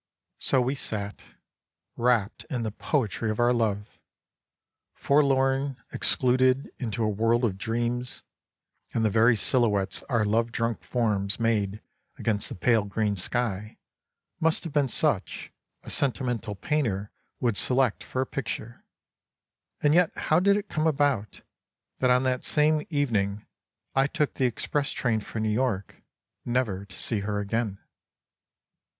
So we sat, wrapped in the poetry of our love, forlorn, ex cluded into a world of dreams, and the very silhouettes our love drunk forms made against the pale green sky must have been such a sentimental painter would select for a pic ture — and yet how did it come about, that on that same evening I took the express train for New York, never to see her again